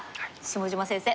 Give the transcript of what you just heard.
下島先生